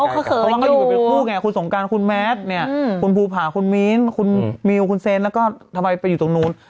เขาเคยอยู่คุณสงกัญคุณแมทคุณภูผาคุณมิ้นคุณมิวคุณเซนแล้วก็ทำไมไปอยู่ตรงนู้น